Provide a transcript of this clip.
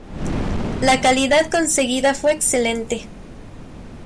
La calidad conseguida fue excelente.